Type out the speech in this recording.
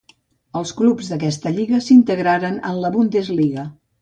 Els clubs d'aquesta lliga s'integraren en la Bundesliga.